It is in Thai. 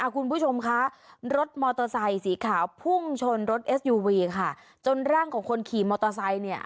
คุณผู้ชมคะรถมอเตอร์ไซค์สีขาวพุ่งชนรถเอสยูวีค่ะจนร่างของคนขี่มอเตอร์ไซค์เนี่ย